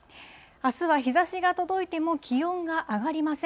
あすは日ざしが届いても、気温が上がりません。